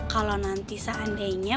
kalau nanti seandainya